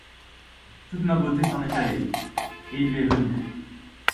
Toute ma beauté s’en est allée, et lui est venue.